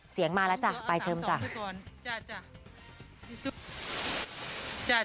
เสียงมาแล้วจ้ะไปเชิมจ้ะ